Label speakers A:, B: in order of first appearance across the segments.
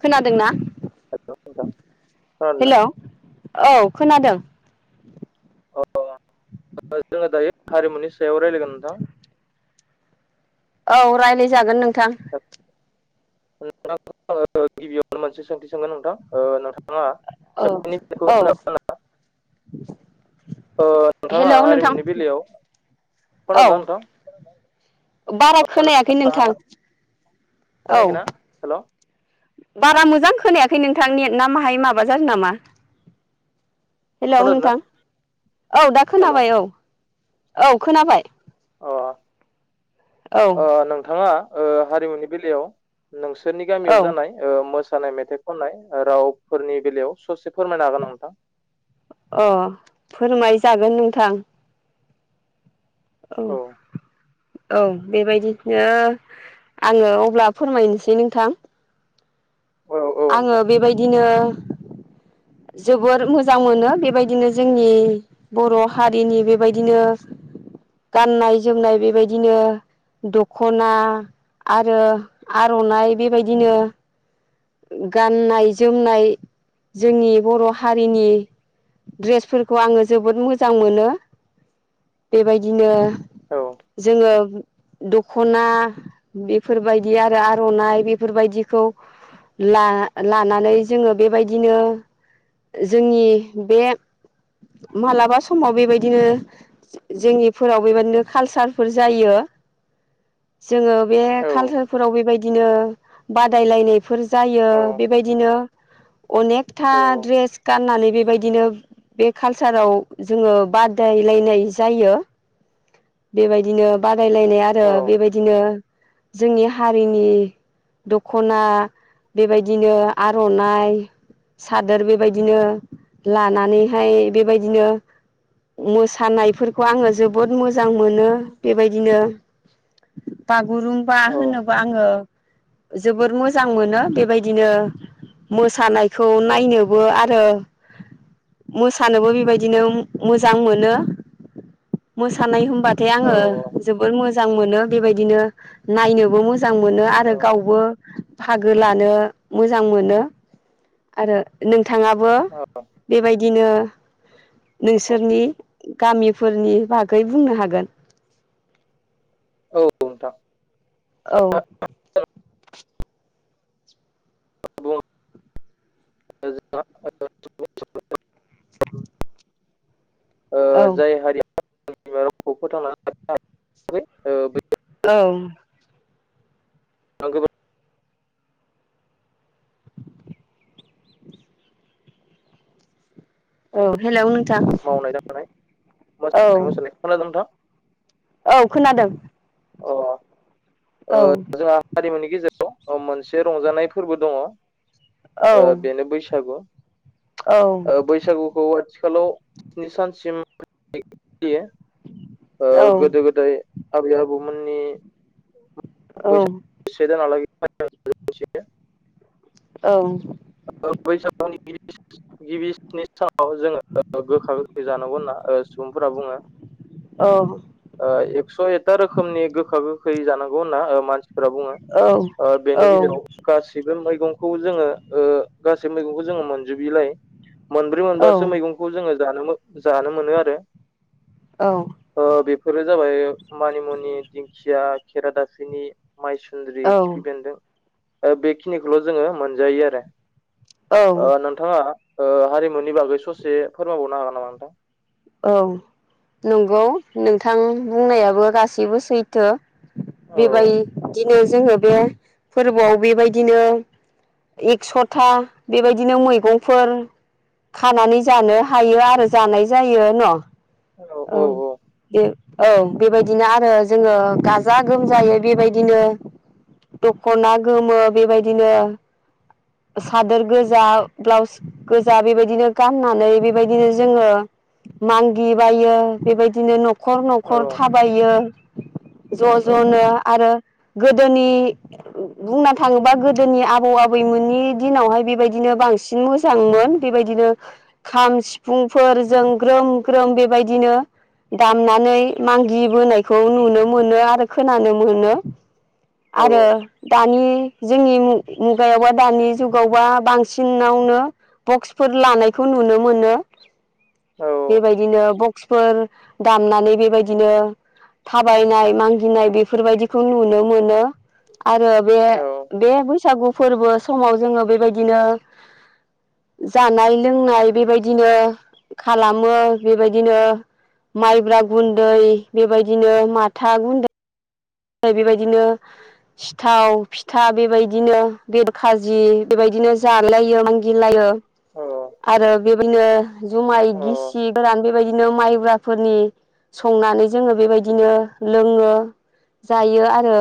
A: खोनादोंना
B: हेलौ नोंथां
A: हेल'
B: खोनादोंना
A: औ खोनादों
B: अ जोंङो दायो हारिमुनि सायाव रायलायगोन नोंथां
A: औ रायलाय जागोन नोंथां
B: [unintelligible] गिबियावनो मोनसे सोंथि सोंगोन नोंथां ओ नोंथां
A: औ -औ
B: ना ओ नोंथांङा
A: हेल' नोंथां
B: हारिमुनि बेलायाव
A: औ
B: खोनादों ना नोंथां
A: बारा
B: अ,
A: खोनायाखै नोंथां
B: नोंथाङा
A: औ
B: खोनायाखैना हेल'
A: बारा मोजां खोनायाखै नोंथां नेट ना माहाय माबा जादों नामा हेलौ
B: खोनादोंना
A: नोंथां औ दा
B: हेल'
A: खोनाबाय औ-औ खोनाबाय
B: अ
A: औ
B: ओ नोंथांङा ओ हारिमुनि बेलायाव नोंसोरनि गामियाव
A: औ
B: जानाय ओ‌ मोस मोसानाय मेथाइ खननाय रावफोरनि बेलायाव ससे फोरमायनो हागोन नोंथां
A: अ फोरमाय जागोन नोंथां औ औ बेबायदिनो आंङो अब्ला फोरमायनोसै नोंथां
B: औ औ
A: आंङो
B: नोंथां
A: बेबायदिनो
B: [inaudible]
A: जोबोर मोजां मोनो बेबायदिनो जोंनि बर हारिनि बेबायदिनो गाननाय जोमनाय बेबायदिनो दखना आरो आरनाइ बेबायदिनो गाननाय जोमनाय जोंनि बर' हारिनि ड्रेसफोरखौ आंङो जोबोद मोजां मोनो बेबायदिनो
B: औ
A: जोंङो दखना बेफोरबायदि आरो आरनाइ बेफोरबायदिखौ ला-लानानै जोंङो बेबायदिनो जोंनि बे मालाबा समाव बेबायदिनो जोंनिफोराव बेबायदिनो कालसारफोर जायो
B: [inaudible]
A: जोंङो बे
B: औ
A: कालसारफोराव बेबायदिनो बादायलायनायफोर जो जायो
B: औ
A: बेबायदिनो अनेकथा ड्रेस गाननानै बेबायदिनो बे कालसाराव जोङो बादायलायनाय जायो। बेबायदिनो बादायलायनाय आरो
B: औ औ
A: बेबायदिनो जोंनि हारिनि दख'ना बेबायदिनो आर'नाइ सादोर बेबायदिनो लानानैहाय बेबायदिनो मोसानायफोरखौ आङो जोबोद मोज जां मोनो बेबायदिनो बागुरुमबा
B: औ
A: होनोबा आङो जोबोद मोजां मोनो बेबायदिनो मोसानाय खौ नायनोबो आरो मोसानोबो बेबायदिनो मोजां मोनो मोसा थानाय होमबाथाय
B: औ
A: आङो जोबोद मोजां मोनो बेबायदिनो नायनोबो मोज जां मोनो
B: औ
A: आरो गावबो फागो लानो मोजां मोनो आरो नों थाङाबो
B: औ
A: बेबायदिनो नोंसोरनि गामिफोरनि बागै बुंनो हागोन।
B: औ नोंथां।
A: औ
B: बुङो [unintelligible]
A: [unintelligible] औ
B: ओ जाय हारिया [unintelligible]
A: ओं
B: [unintelligible]
A: औ हेलौ नों
B: मावनाय दांनाय [unintelligible] खोनादों नोंथां?
A: औ खोनादों।
B: अ ओ
A: औ
B: जोंहा हारिनिमुनि गेजेराव ओ मोनसे रंजानाय फोरबो दङओ
A: औ
B: बेनो बैसागु। औ बैसागुखौ आथिखालाव स्नि सानसिम [inaudible] ओ
A: औ
B: गोदो गोदाय आबै आबौमोननि
A: औ
B: [unintelligible]
A: औ
B: [unintelligible] बैसागुनि गिबि गिबि स्नि सानाव जोङो ओ गोखा गोखै जानांगौ होनना ओ सुबुंफोरा बुङो।
A: औ
B: ओ एकस' एता रोखोमनि गोखा गोखै जानांगौ होनना ओ मानस फोरा बुङो ओ बेनि गेजेराव गासिबो मैगंखौ जोङो ओ गासैबो मैगंखौ जोङो मोनजोबिलाय मोनब्रै मोनबासो मैगंखौ जोङो जानो मोन जानो मोनो आरो ओ बेफोरो जाबाय मानिमुनि दिंखिया खेरादाफिनि माइसुन्द्रि खिफि बेन्दों ओ बेखिनिखौल' जोङो मोनजायो आरो।
A: औ
B: ओ नोंथाङा ओ हारिमुनि बागै ससे फोरमायबावनो हागोन नामा नोंथां?
A: औ नंगौ नोंथां बुंनायाबो गासैबो सैथो।
B: औ
A: बेबाय दिनो जोङो बे फोरबोआव बेबायदिनो एकस'था बेबायदिनो मैगंफोर खानानै जानो हायो आरो जानाय जायो न' औ
B: औ औ
A: दे। औ बेबायदिनो आरो जोङो गाजा गोमजायै बेबायदिनो दख'ना गोमो बेबायदिनो सादोर गोजा ब्लाउस गोजा बेबायदिनो गाननानै बेबायदिनो जोङो मांगिबायो बेबायदिनो न'खर
B: औ
A: न'खर थाबायो। ज'
B: औ
A: ज'नो आरो गोदोनि बुंनो थाङोबा गोदोनि आबौ-आबैमोननि दिनावहाय बेबायदिनो बां इसि मोजां बेबायदिनो खाम, सिफुंफोरजों ग्रोम-ग्रोम बेबायदिनो दामनानै मागिबोनायखौ नुनो मोनो आरो खोनानो मोनो।
B: औ
A: आरो दानि जोंनि मुगायावबा दानि जुगावबा बांसिनावनो बक्सफोर लानायखौ नुनो मोनो
B: औ
A: बेबायदिनो बक्स फोर दामनानै बेबायदिनो थाबायनाय मागिनाय बेफोरबायदिखौ नुनो मोनो। आरो बे बे बैसागु फोरबो समाव जोङो बेबायदिनो जानाय-लोंनाय बेबायदिनो खालामो बेबायदिनो माइब्रा गुन्दै बेबायदिनो माथा गुन्दै बेबायदिनो सिथाव फिथा बेबायदिनो बेदर खाजि बेबायदिनो जालायो मागिलायो
B: औ
A: आरो बेबायदिनो जुमाय गिसि गोरान बेबायदिनो माइ ग्राफोरनि संनानै जोङो बेबायदिनो लोङो जायो आरो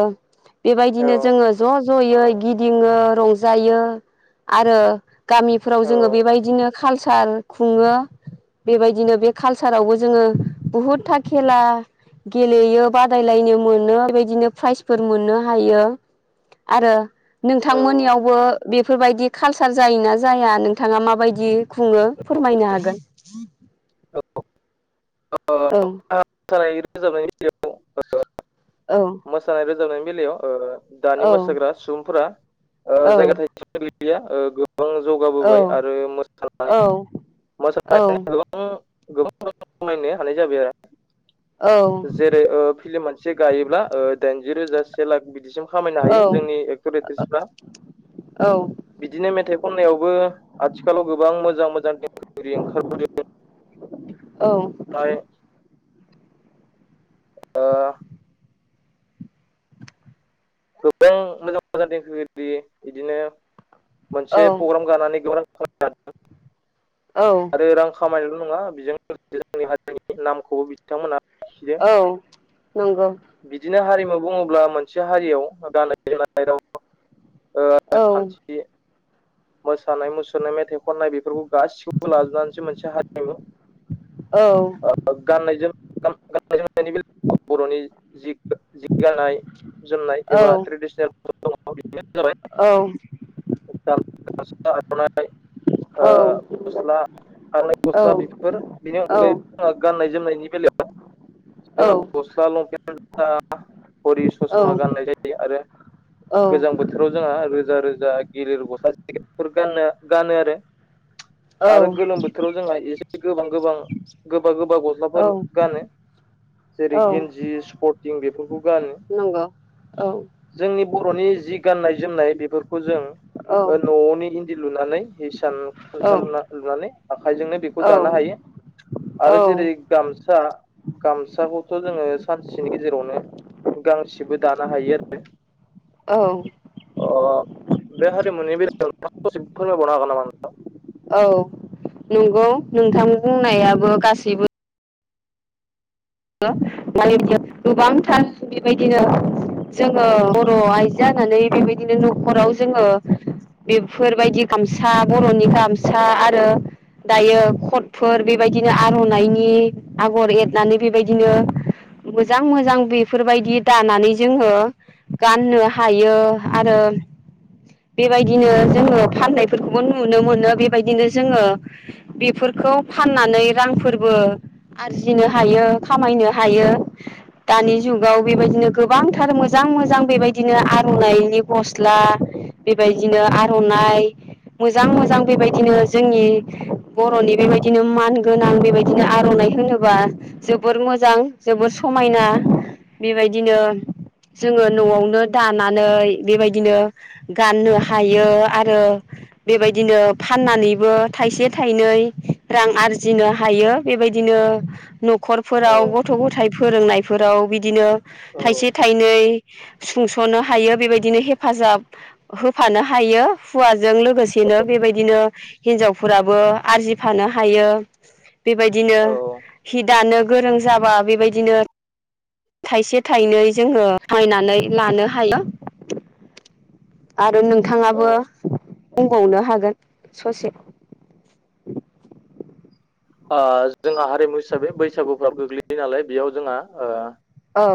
A: बेबायदिनो जोङो ज' ज'यै गिदिङो रंजायो आरो गामिफोराव जोङो बेबायदिनो खालसार खुङो। बेबायदिनो बे खालसारावबो जोङो बुहुदथा खेला गेलेयो बादायलायनो मोनो। बेबायदिनो प्राइजफोर मोननो हायो आरो
B: औ औ औ
A: नोंथांमोननियावबो बेफोरबायदि खालसार जायोना जाया नोंथाङा माबायदि खुङो फोरमायनो हागोन। [inaudible] औ
B: मोसानाय रोजाबनाय बेलायाव ओ
A: औ
B: मोसानाय रोजाबनायनि बेलायाव ओ दानि
A: औ
B: मोसाग्रा सुबुंफोरा ओ
A: औ
B: जायगा थाइसेम गोगैलिया ओ गोबां
A: औ
B: जौगाबोबाय आरो मोसानाय
A: औ औ
B: [unintelligible] सुबुं गोबां [unintelligible] हानाय जाबाय आरो जेरै ओ फिल्म मोनसे गायोब्ला ओ दाइनजि रोजा से लाख बिदिसिम खामायनो
A: औ
B: हायो जोंनि एक्टर एक्ट्रिसटफ्रा बिदिनो मेथाइ खननायावबो आथिखालाव गोबां मोजां मोजां फ्रि ओंखारबोदों फ्राय ओ गोबां मोजां मोजां देंखोगिरि इदिनो
A: औ
B: मोनसे प्रग्राम गानानै गोबां [unintelligible]
A: औ
B: आरो रां खामायनायल नङा बेजों लोगोसे जोंनि हारिनि नामखौबो बिथांमोना लाखिदों
A: औ नंगौ
B: बिदिनो हारिमु बुङोब्ला मोनसे हारियाव गानाय जोमनाय ओ राव
A: औ
B: राजखान्थि मोसानाय मुसुरनाय मेथाइ खननाय बेफोरखौ गासिखौबो लाजनानैसो मोनसे हारिमु
A: औ
B: ओ गाननाय जोमनाय जोमनायनि बेल बर'नि जि जि गाननाय जोमनाय
A: औ
B: एबा ट्रेडिसनेल दङ बेनो जाबाय
A: औ
B: गामसा आरनाय ओ
A: औ
B: गस्ला आरनाय
A: औ
B: गस्ला बेफोर बिनि अनगायै गाननाय जोमनायनि बेलायाव दा जोंहा गस्ला लंपेन जुथा घरि ससमा गाननाय जायो आरो गोजां बोथोराव जोंहा रोजा रोजा गिलिर गसाेफोर गाननो गानो आरो आरो गोलोम बोथोराव जोंहा एसे गोबां गोबां गोबा गोबा गस्लाफोर गानो। जेरै गिन्जि स्पर्टिं बेफोरखौ गानो।
A: नंगौ औ
B: जोंनि बर'नि जि गाननाय जोमनाय बेफोरखौ जों ओ न'नि इन्दि लुनानै हिसान खुनथा लुना लुनानै आखाइजोंनो बेखौ
A: औ
B: दानो हायो।
A: औ
B: आरो
A: औ
B: जेरै गामसा गामसाखौथ' जोंङो सानसेनि गेजेरावनो गांसेबो दानो हायो आरो
A: औ
B: अ बे हारिमुनि बेलायाव नोंथांङा ससेखौ फोरमायबावनो हागोन नामा नोंथां?
A: औ नंगौ नोंथां बुंनायाबो गासैबो बो माने बियो गोबांथार बेबायदिनो जोंङो बर' आइजो जानानै बेबायदिनो न'खराव जोंङो बेफोरबायदि गामसा बर'नि गामसा आरो दायो खटफोर बेबायदिनो आर'नाइनि आगर एरनानै बेबायदिनो मोजां मोजां बेफोरबायदि दानानै जोंङो गाननो हायो आरो बेबायदिनो जोंङो फाननायफोरखौबो नुनो मोनो बेबायदिनो जोंङो बेफोर खौ फाननानै रांफोरबो आरजिनो हायो खामायनो हायो। दानि जुगाव बेबायदिनो गोबांथार मोजां मोजां बेबायदिनो आर'नाइनि गस्ला बेबायदिनो आर'नाइ मोजां मोजां बेबायदिनो जोंनि बर'नि बेबायदिनो मान गोनां बेबायदिनो आर'नाइ होनोबा जोबोर मोजां जोबोर समायना बेबायदिनो जोंङो न'आवनो दानानै बेबायदिनो गाननो हायो आरो बेबायदिनो फाननानैबो थाइसे थाइनै रां आरजिनो हायो बेबायदि बिदिनो न'खरफोराव गथ' गथाय फोरोंनायफोराव बिदिनो
B: औ
A: थाइसे थाइनै सुंस'नो हायो बेबायदिनो हेफाजाब होफानो हायो हौवाजों लोगोसे दिनो बेबायदिनो हिनजावफोराबो आरजिफानो हायो बेबायदिनो
B: औ
A: हि दानो गोरों जाबा बेबायदिनो थाइसे थाइनै जोंङो बायनानै लानो हायो। आरो
B: औ
A: नोंथांङाबो बुंबावनो हागोन ससे
B: ओ जोंहा हारिमु हिसाबै बैसागुफ्राबो गोग्लैयो नालाय बेयाव जोंहा ओ
A: औ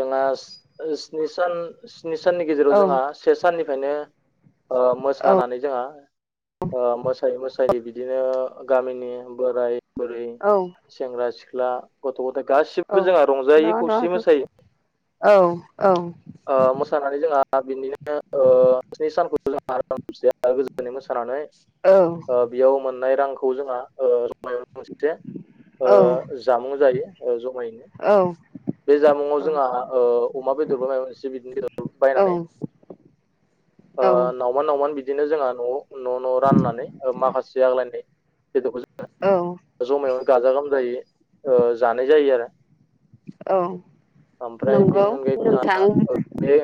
B: जोंहा स्नि सान ‌सिनि साननि
A: औ
B: गेजेराव जोंहा से साननि फ्रायनो ओ
A: औ
B: मोसानानै जोंहा ओ मोसायै मोसायै बिदिनो गामिनि बोराय बुरि सेंग्रा- सिख्ला गथ' गथय गासिबो
A: औ
B: जोंहा रंजायै
A: र'
B: खौसेयै
A: र'
B: मोसायो ।
A: औ औ
B: ओ मोसानानै जोंहा बिनिनो ओ ओ सिनि सानखौबो जोंहा आरामसेयै गोजोनै मोसानानै
A: औ
B: ओ बेयाव मोननाय रांखौ जोंहा ओ
A: औ
B: [unintelligible] जामुं जायो जमायै
A: औ
B: बे जामुंआव
A: औ
B: जोंहा ओ अमा बेदरबो [unintelligible] बायनानै
A: औ
B: [unintelligible] बिदिनो जोंहा न' न' न' राननानै ओ माखासे आग्लायनाय बेदरखौ जों जमायावनो गाजा गोमजायै ओ जनाय जायो आरो
A: औ
B: ओमफ्राय
A: नंगौ
B: बेनि अनगायैबो जोंहा
A: नोंथां औ
B: बे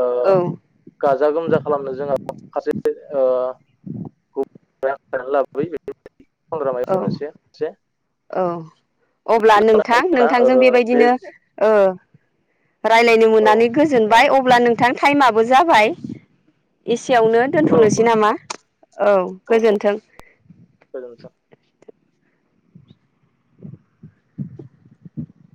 B: ओ
A: औ
B: गाजा गोमजा खालामनो जोंहा माखासे ओ [unintelligible] लाबोबाय
A: औ
B: [unintelligible]
A: अब्ला नोंथां नोंथांजों बेबायदिनो ओ रायलायनो
B: औ
A: मोननानै गोजोनबाय अब्ला नोंथां टाइमाबो जाबाय सेयावनो
B: औ औ
A: दोन्थ'नोसै नामा औ गोजोन्थों ।
B: गोजोनथों